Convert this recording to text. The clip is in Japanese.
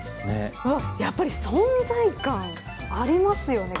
やっぱり存在感ありますよね。